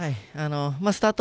スタート